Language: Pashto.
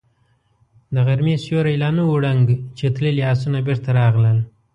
د غرمې سيوری لا نه و ړنګ چې تللي آسونه بېرته راغلل.